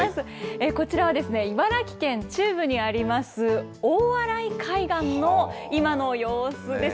こちらは茨城県中部にあります、大洗海岸の今の様子です。